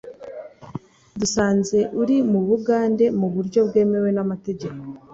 dusanze uri mu Bugande mu buryo bwemewe n’amategeko